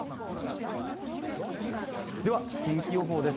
では、天気予報です。